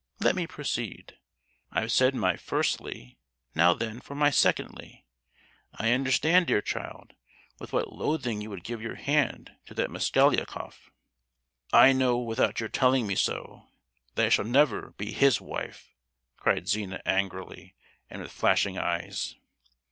Let me proceed. I've said my 'firstly;' now, then, for my 'secondly!' I understand, dear child, with what loathing you would give your hand to that Mosgliakoff!——" "I know, without your telling me so, that I shall never be his wife!" cried Zina, angrily, and with flashing eyes.